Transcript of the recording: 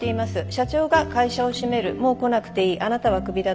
「社長が会社を閉めるもう来なくていいあなたはクビだと言った」。